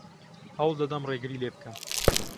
هەوڵ دەدەم ڕێگری لێ بکەم.